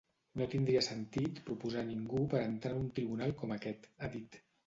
No tindria sentit proposar ningú per entrar en un Tribunal com aquest, ha dit.